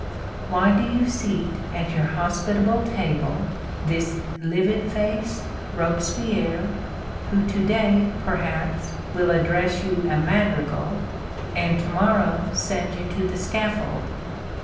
Why do you seat at your hospitable table this livid faced Robespierre, who to day, perhaps, will address you a madrigal, and to morrow send you to the scaffold?